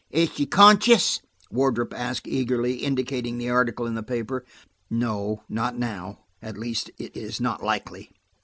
"Is she conscious?" Wardrop asked eagerly, indicating the article in the paper. "No, not now–at least, it is not likely."